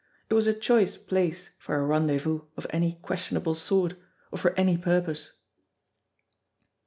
It was a choice place for a rendezvous of any questionable sort, or for any purpose